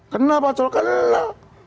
kenal paco kenal